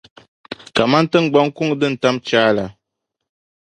kaman tiŋgbaŋ’ kuŋ din tam chaai la.